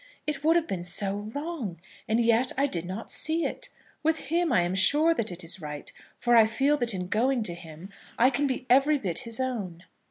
"It would have been so wrong. And yet I did not see it! With him I am sure that it is right, for I feel that in going to him I can be every bit his own."